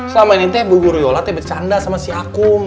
selama ini tuh bu gua yola tuh bercanda sama si aku dang